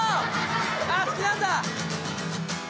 ああ好きなんだ。